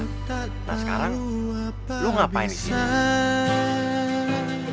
nah sekarang lu ngapain sih